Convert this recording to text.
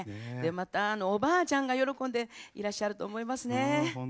また、おばあちゃんが喜んでいらっしゃると思いますね。